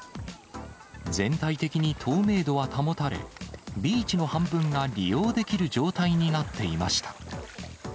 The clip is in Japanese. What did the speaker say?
全体的に透明度は保たれ、ビーチの半分が利用できる状態になっていました。